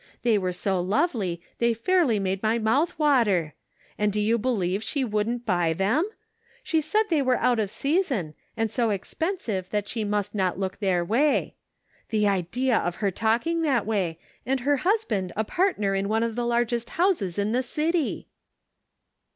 They were so lovely they fairly made my mouth water ; and do you believe she wouldn't buy them ? She said they were out of season, and so expen sive that she must not look their way. The idea of her talking that way, and her husband a partner in one of the largest houses in the city!"